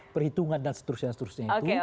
perhitungan dan seterusnya seterusnya itu